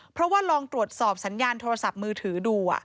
เพราะว่าลองตรวจสอบสัญญาณโทรศัพท์มือถือดู